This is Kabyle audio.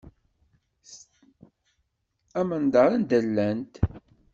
Amendeṛ anda llant.